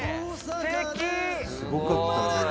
すごかったねこれ。